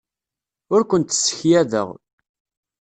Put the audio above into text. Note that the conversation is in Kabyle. Ur kent-ssekyadeɣ.